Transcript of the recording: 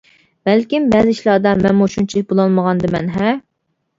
بەلكىم بەزى ئىشلاردا مەنمۇ شۇنچىلىك بولالمىغاندىمەن ھە.